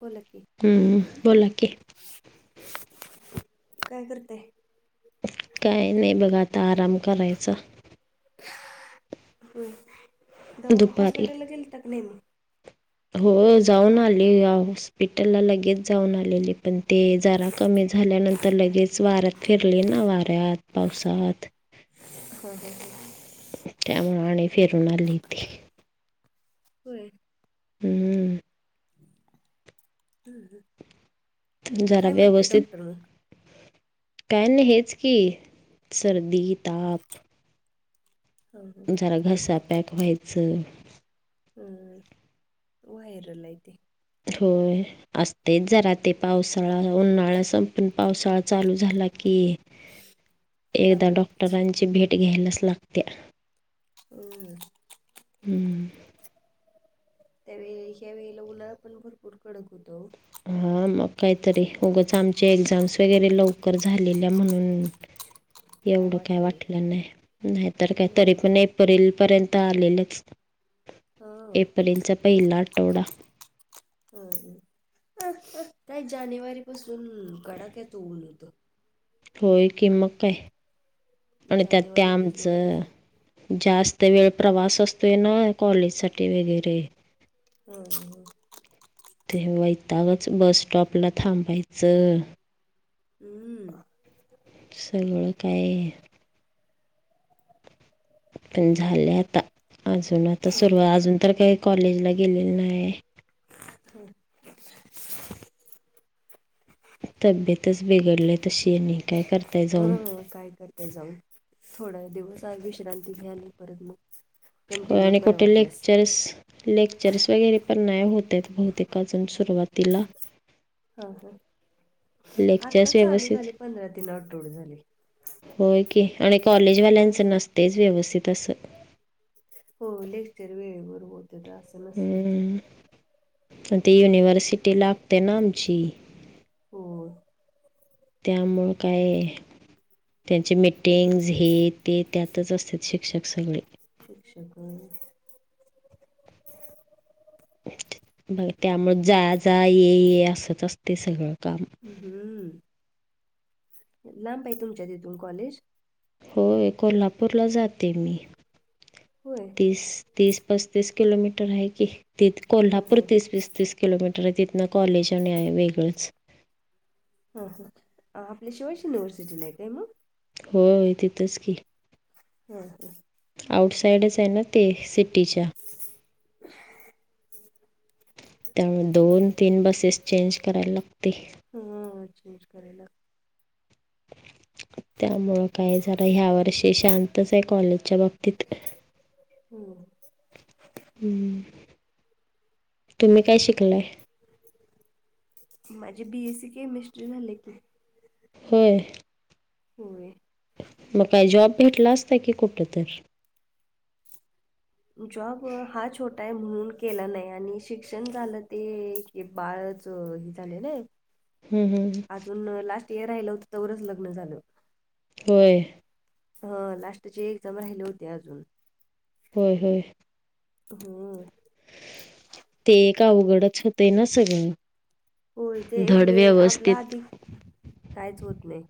बोला की, हं, बोला की काय करतेय? काय नाही मंग आता आराम करायचां. हम दवा दुपारी हॉस्पिटलला गेल तर नाही मग. हो जाऊन आले मंग हॉस्पिटलला लगेच जाऊन आलेली. पण ते जरा कमी झाल्यानंतर लगेच वारं फिरल ना वाऱ्यात पावसात. [unintelligible] हम. त्यामनान फिरून आलेलेत. व्हय. हम्म. [unintelligible] जरा काय म्हणताय व्यवस्थित डॉक्टर मग काय नाही हेच की सर्दी, ताप हा हा जरा घसा पॅक व्हायचं हम्म! व्हायरलाय ते होय, ते असतयच जरा ते पावसाळा उन्हाळा सं पावसाळा चालू झाला की, एकदा चालू होतेच डॉक्टरांची भेट घ्यायलाच लागत्या हम्म! हम्म. त्यावेळी ह्या वेळेला पण उन्हाळ पण भरपूर कडक होता ओ हा, मग काहीतरी, उगंच आमचे एक्झाम्स वगैरे लवकर झालेल्या म्हणून एवढं काय वाटलं नाही, नाहीतर काय तरी हं पण ए प्रिल पर्यंत आलेलंच, हं एप्रिलचा पहिला आठवडा अ काही जानेवारी पासून कडाक्याचं ऊन होतं. होय कि, मग काय, आणि त्यात ते जानेवारी फेब्रुवारी आमचं जास्त वेळ प्रवास असतोय ना, कॉलेजसाठी वगैरे [unintelligible] ते वैतागच, बस स्टॉपला थांबायचं हम्म. सगळं काय पण झालय आता, अजून आता सुरुवा अजून तर काही कॉलेजला गेलेलो नाहीय. हम्म. तब्येतच बिघडल्या तशी, आणि काय करताय जाऊन? हो, काय करताय जाऊन, थोडा दिवस विश्रांती घ्याली परत म होय, आणि कुठे लेक्चरस लेक्चर्स वगैरे पण नाही होतयेत बहुतेक अजून सुरुवातीला. हा हा, आता लेक्चर्स चालू व्यवस्थित झालय, पंधरा तीन आठवड झाले. होय की, आणि कॉलेजवाल्यांचं ह नसतयच व्यवस्थित असं हो, लेक्चर वेळेवर होत्यात, असं नसतयच. हम्म. आणि ती युनिव्हर्सिटी लागते आमची होय. त्यामुळं काय, त्यांची मीटिंग्ज हे ते त्यातच असत्यात शिक्षक सगळी. शिक्षक बग त्यामुळ, जा जा, ये ये, असंच असतय सगळं काम. हम्म! लांब हाय तुमच्या तीथून कॉलेज? होय, कोल्हापूरला जाते मी होय? तीस, पसतीस किलोमीटर हाय कि, ह कोल्हापूर ह तीस, वीस, तीस किलोमीटर हाय, तिथनं कॉलेज आणि आहे वेगळंच हा हा, आपली शिवाशी युनिव्हर्सिटीला नाही काय म? होय, तिथच की. हा हा. आउटसाइडच हाय ना ते, सिटीच्या. [unintelligible] [inaudible] [unintelligible] [inaudible] त्यामुळें दोन तीनं बसेस चेंज करायंला लागतंय हम्मं चेंज करायलां लागतंय त्यामुळें कायं जरां ह्यां वर्षी शांतच हांय कॉलेजच्या बाँब हम्मं हम्मं तुम्हीं कायं शिकलांय माझी बीएससी केमिस्ट्री झाले की होयं होयं मंग कायं जॉब भेटलां असतां की कुठं तरी जॉब हां छोटा आहे म्हणूंन केलां नाहीं आणि शिक्षणं झालं ते हे बाळंच हे झाले नान हम्मं हम्मं अजूंन लास्ट इयंर राहिलं होतं तवरचं लग्नं झालं. होयं हं लास्टचे एक्जाम राहिले होते अजूंन होयं होयं हम्मं ते एक अवघडचं होतें नां सगळीं होयं ते आपलां आधीं काहींचं होतं नाहीं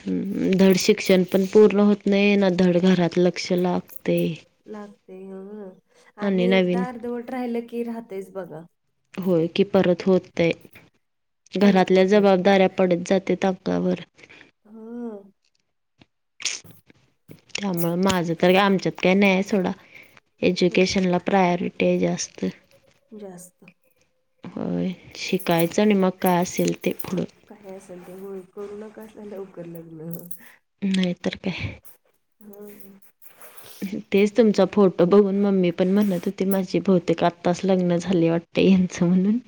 हम्मं धड शिक्षणं पणं पूर्ण होतं नाहीं नां धड घरांत लंक्ष लागतं नाहीं लागते हं आणि नवीन एकदाचं अर्धवट राहिलं की राहतचं बघां होयं की परंत होतं परत घरातल्यां होत नाही जबाबदाऱ्यां पडतं जाते ताकलावरं हम्मं त्यामुळें माझं तरं आमच्यांत कांहीं नाहीं आहे सोंडा एज्युकेशनला प्रायोरिटी आहे जास्तं जास्त होयं शिकायचं आणि मंग कायं असेल ते पुढं कायं असांल तेमुळे करूं नकां असं लवकरं लग्नं नाहींतरं कायं हम्मं हम्मं तेचं तुमचां फोटो बघूंन मम्मी पणं म्हणतं होती माझी बहुतेक आत्तांस लग्नं झाली वाटतं ते येचं म्हणूंन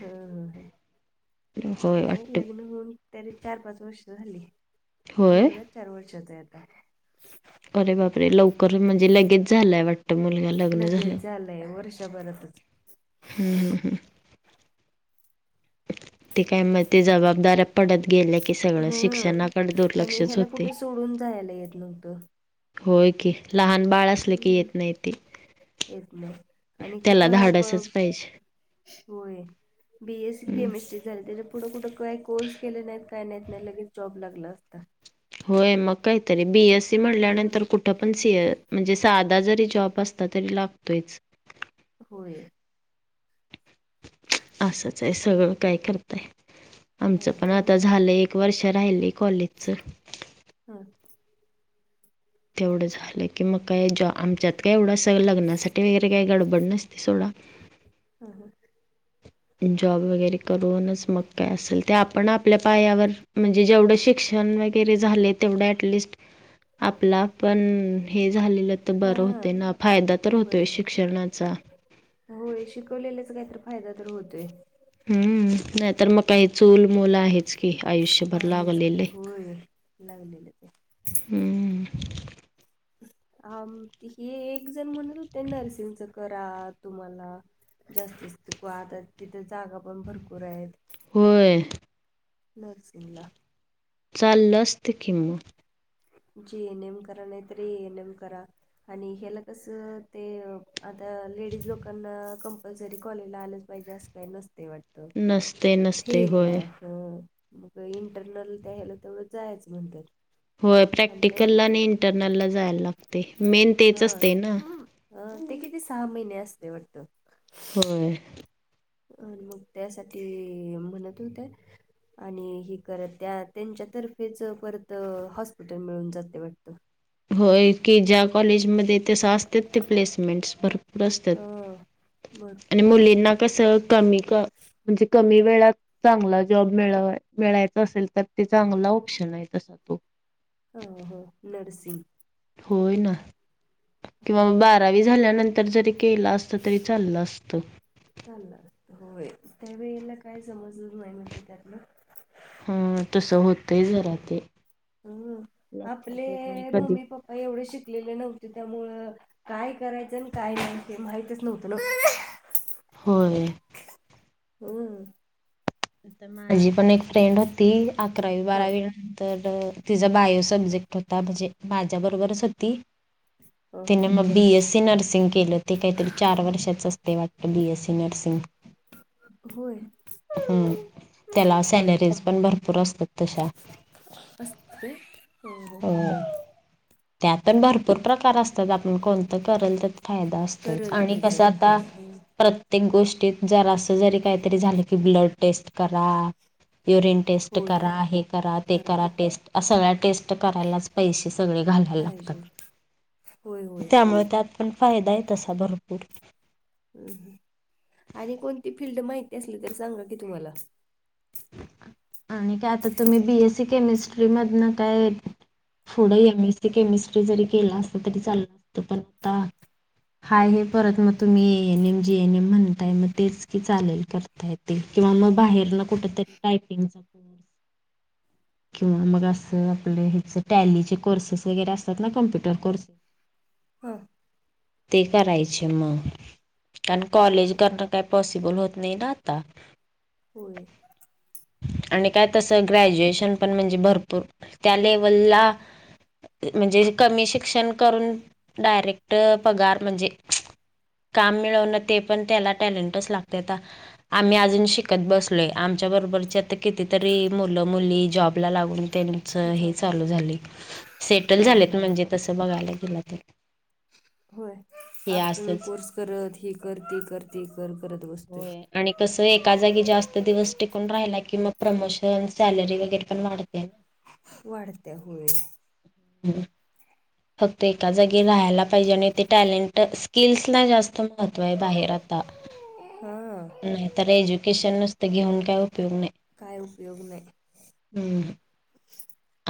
हं होय नाहीं वाटतं लग्नं होऊंन ते चार पांच वर्ष झाली होय मुलगतं चार वर्षाचा आहे आंता अरे बापरे लवकरं म्हणजे लगेच झालंय वाटतं मुलंगा लग्नं झाल्यावर वर्ष भरांतच हम्मं हम्मं हम्मं ते कायं मंग ते जबाबदाऱ्यां पडतं गेले हां आणि ह्यांला होते. कुंठे सोडूंन जायलां येतं नव्हतं होयं की लहांन बाळं असले की हम्म येतं नाहीं ते येत नाही त्यांला धाडसचं पाहिजे होयं बीएसी हं. केमिस्ट्री झाली त्यांच्या पुढं कुठं कांहीं कोर्स केले नाहीं कांहीं नाहीेत नाहीं लगेच कुंठ जॉब लागंला असतां होयं मंग कांहीतरी बीएस सी हम्म म्हटल्यानंतर कुठं तरी ठ पण सी ए म्हणजे साधा जरी जॉब असता तरी लागतोयच. होय. असच आहे सगळं काय करताय काय आमचं पण आता हं झालंय. वर्ष राहिले कॉलेजच. हा, तेवढं झालं की मग काय ज आमच्यात काय एवढं असं लग्नासाठी वगैरे काही गडबड नसते. सोडा. हा हा, जॉब वगैरे करूनच मग काय असेल ते आपण आपल्या पायावर. म्हणजे जेवढं शिक्षण वगैरे झाले तेवढं ऍटलिस्ट. आपला पण हे झालेलं तर हा बरं होतं ना फायदा तर होतोय बरं होतय शिक्षणाचा. होय शिकवलेलाच काय तर फायदा तर होतोय. हम्म नाही तर मग काय चूल मुल आहेच की आयुष्यभर आहेच की लागलेल. होय. लागलेलं ते. हम्म हा हे एक जण म्हणत होते नर्सिंगच करा तुम्हाला. जास्तीत [unintelligible] कहतात तिथे जागा पण भरपूर आहेत. होय. नर्सिंगला. चालल असत किं मग. जी एनएम करा नाही तरी एएनएम करा. आणि हेल कसं ते आता लेडीज लोकांना कंपल्सरी कॉलेजला आलंच पाहिजे असं. काय नसतेय वाटतं. नसते नसते होय. हा मग इंटरनल त्या ह्याला तेवढं जायचं म्हणतात. होय आणि त्यां प्रॅक्टिकलला आणि इंटरनलला जायला लागते मेन तेच असते ना. अं ते किती सहा महिने असते वाटत. होय. अ मग त्यासाठी म्हणत होत्या. आणि हे करत त्या त्यांच्यातर्फेच परत हॉस्पिटल मिळून जाते वाटतं. होय की ज्या कॉलेजमध्ये तस असतात ते प्लेसमेंटस भरपूर असतात. हा आणि भरपूर असतं. मुलींना कसं कमी. क म्हणजे कमी वेळात चांगला जॉब मिळ मिळायच असेल. तर ते चांगला ऑप्शन आहे तसा तो. हो हो, नर्सिंग. होय ना हो किंवा हो बारावी झाल्यानंतर जरी. केलं असत तरी चाललं असतं. चाललं असत हो त्यावेेळेला काय समजलं नाही म्हणजे त्यातलं. ह तसं होतय जरा ते. हम्म आपले लक्षात येत नाही कधी मम्मी पप्पा. प एवढे शिकलेले नव्हते त्यामुळं काय करायचं आणि काय नाही ते माहितच नव्हतं नव. होय. हम्. माझी पण एक फ्रेंड होती अकरावी ह बारावी. तर तिचा बायो सब्जेक्ट होता. म्हणजे माझ्या बरोबरच होती. ह तिने ह मग बीएससी नर्सिंग केलं ते काहीतरी चार वर्षाच अस ते वाटत बी एस सी नर्सिंग. होय. हम्म त्याला ह ह सॅलरीज पण भरपूर असतात तशा. अस [unintelligible] हो हो. होय त्यात पण भरपूर प्रकार असतात आपण कोणत करेल तर फायदा असतो. य करल आणि कसं त्याचाच आता फायदा हम्म. प्र प्रत्येक गोष्टीत जर असं जरी काहीतरी झालं की ब्लड टेस्ट करा. युरिन टेस्ट होय करा हे करा ते करा करावा टेस्ट अस सगळ्या टेस्ट करायला च पैसे सगळे घालायला लागतात. पाहिजे होय ते होय आप त्यामुळे त्यात पण फायदाय आहे तसा भरपूर. हम हम आणि कोणती फिल्ड माहिती असली तर सांगा की तुम्हाला? आणि काय आता तुम्ही बीएससी केमिस्ट्री मधनं काय पुढं एमएससी केमिस्ट्री जरी केला असत तरी चाललं असत पण आत्ता हाय हे परत मग तुम्ही एएन एमजी एनएम म्हणताय मग तेच की चालेल तर. टायपिंग किंवा मग बाहेर ना कुठ तरी टायपिंग च. किंवा मग असं आपलं हेच टॅलीचे कोर्सेस वगैरे असतात ना कॉम्पुटर कोर्स. [inaudible] हा ते करायचे मग कारण हां कॉलेज हां करण काय पॉसिबल होत नाही ना आता. होय. आणि काय तस ग्रॅज्युएशन. पण म्हणजे भरपूर त्या लेवलला. म्हणजे कमी शिक्षण करून डायरेक्ट पगार म्हणजे. काम मिळवणं ते पण त्याला टॅलेंटच लागते आता. आम्ही अजून शिकत बसलोय आमच्या बरोबरची आता कितीतरी मुलं मुली जॉबला लाग आणि त्यांचं हे जॉब चालू झालय सेटल हां झालेत हां हां म्हणजे तस बघायला गेला तर. होय हे आपण असंच कोर्स करत ही कर ते कर ते कर करत बसतोय. होय आणि कसं एका जागी जास्त दिवस टिकून राहिला किंवा प्रमोशन सॅलरी वगैरे प मतेे ना [inaudible] वाढत्या होय. हम् फक्त एका जागी राहायला पाहिजे आणि ते टॅलेंट स्किल्सला जास्त. महत्व आहे बाहेर आता हां नाही. तर एज्युकेशन नुसता घेऊन काय उपयोग नाही. काय उपयोग नाही. ह्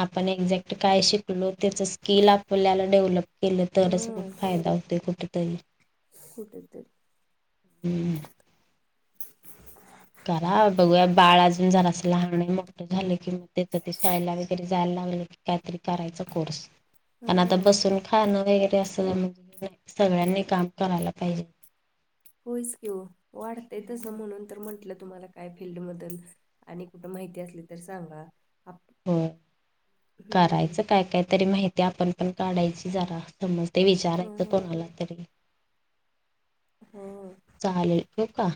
आपण एक्झॅक्ट काय शिकलो त्याच स्किल आपल्याला डेव्हलप केलं तरच कुठ हां फायदा होते कुठ तरी. कुठ तरी. हम्म करा बघूया बाळ अजून जरास लहान मोठ झाले की तेच ते शाळेला वगैरे जायला लागलं की कायतरी करायचा कोर्स. पण आता हां बसून खाणं वगैरे असं म्हणजे सगळ्यांनी काम करायला पाहिजे. होयच की ओ वाढतेय तसं म्हणून तर म्हंटलं तुम्हाला काय फील्ड बदल. आणि कुठं, माहिती असली तर सांगा. आप हो, हम्म करायचं काय- काय तरी माहिती. आपण पण काढायची जरा. समज ते विचारायचं हम्म कोणाला तरी. हम्म चालेल. ठेऊ का?